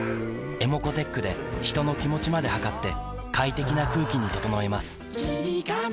ｅｍｏｃｏーｔｅｃｈで人の気持ちまで測って快適な空気に整えます